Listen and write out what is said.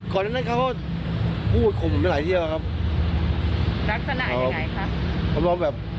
ถ้าเรายังเสพยาอยู่หรือเปล่าหรือเปล่า